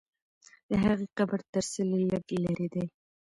د هغې قبر تر څلي لږ لرې دی.